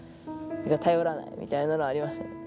頼らないみたいなのはありました